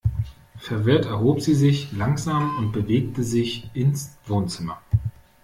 Verwirrt erhob sie sich langsam und bewegte sich ins Wohnzimmer.